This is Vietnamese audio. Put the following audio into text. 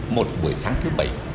một buổi sáng thứ bảy